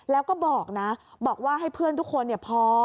แล้วก็บอกนะบอกว่าให้เพื่อนทุกคนพอ